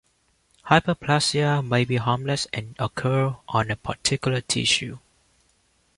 Hyperplasia may be harmless and occur on a particular tissue.